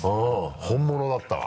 本物だったわ。